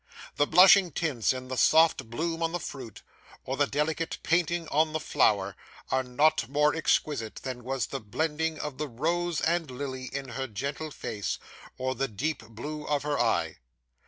The blushing tints in the soft bloom on the fruit, or the delicate painting on the flower, are not more exquisite than was the blending of the rose and lily in her gentle face, or the deep blue of her eye.